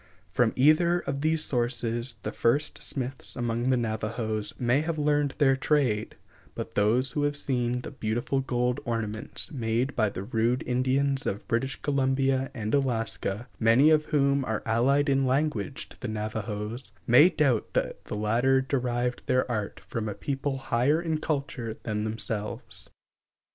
From either of these sources the first smiths among the Navajos may have learned their trade; but those who have seen the beautiful gold ornaments made by the rude Indians of British Columbia and Alaska, many of whom are allied in language to the Navajos, may doubt that the latter derived their art from a people higher in culture than themselves.